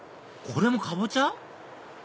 これもカボチャ？